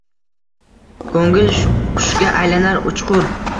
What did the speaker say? Koʼngil qushga aylanar — uchqur